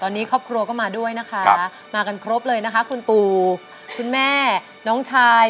ตอนนี้ครอบครัวก็มาด้วยนะคะมากันครบเลยนะคะคุณปู่คุณแม่น้องชาย